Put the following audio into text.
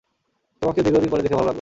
তোমাকেও দীর্ঘদিন পরে দেখে ভালো লাগল।